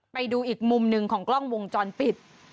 ไปดูอีกมุมหนึ่งของกล้องวงจรปิด